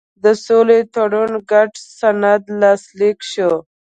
د سولې تړون ګډ سند لاسلیک شو.